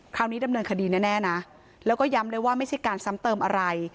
ดำเนินคดีแน่นะแล้วก็ย้ำเลยว่าไม่ใช่การซ้ำเติมอะไร